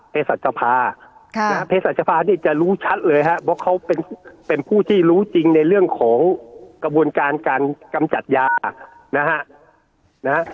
เพศจรรยศภาจะรู้ชัดเลยเพราะเขาเป็นผู้ที่รู้จริงในเรื่องของกระบวนการกำจัดยา